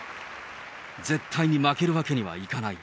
絶対に負けるわけにはいかない。